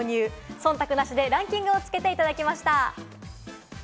忖度なしでランキングをつけていただきました。